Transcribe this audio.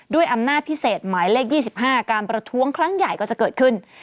อำนาจพิเศษหมายเลข๒๕การประท้วงครั้งใหญ่ก็จะเกิดขึ้น